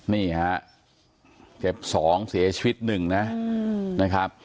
นี่ฮะเจ็บ๒เสียชีวิตหนึ่งนะนะครับ